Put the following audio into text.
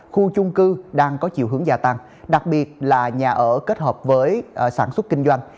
khu chung cư đang có chiều hướng gia tăng đặc biệt là nhà ở kết hợp với sản xuất kinh doanh